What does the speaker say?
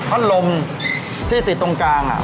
เพราะลมที่ติดตรงกลาง